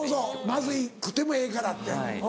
まずくてもええからって。